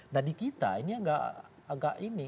nah di kita ini agak ini